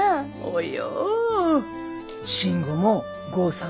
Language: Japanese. およ。